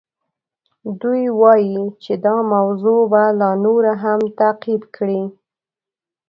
دوی وایي چې دا موضوع به لا نوره هم تعقیب کړي.